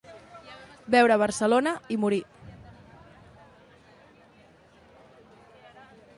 Veure Barcelona i morir.